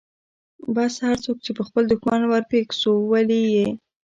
بس هرڅوک چې پر خپل دښمن ورپېښ سو ولي يې.